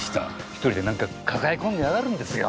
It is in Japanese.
一人でなんか抱え込んでやがるんですよ。